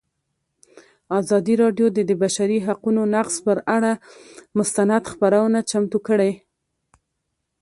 ازادي راډیو د د بشري حقونو نقض پر اړه مستند خپرونه چمتو کړې.